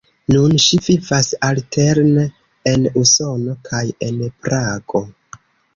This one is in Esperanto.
Nun ŝi vivas alterne en Usono kaj en Prago.